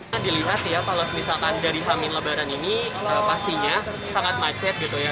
nah dilihat ya kalau misalkan dari hamin lebaran ini pastinya sangat macet gitu ya